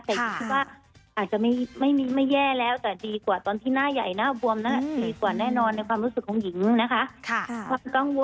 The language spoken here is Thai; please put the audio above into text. แต่หญิงคิดว่าอาจจะไม่แย่แล้วแต่ดีกว่าตอนที่หน้าใหญ่หน้าบวมดีกว่าแน่นอนในความรู้สึกของหญิงนะคะ